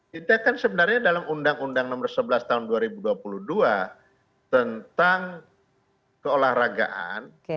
kita kan sebenarnya dalam undang undang nomor sebelas tahun dua ribu dua puluh dua tentang keolahragaan